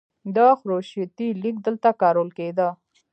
د خروشتي لیک دلته کارول کیده